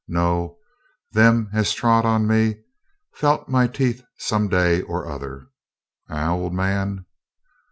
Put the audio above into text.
No! them as trod on me felt my teeth some day or other. Eh, old man?'